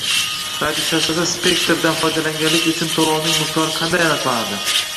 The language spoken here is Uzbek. Radiochastota spektridan foydalanganlik uchun to’lovning miqdori qanday aniqlanadi?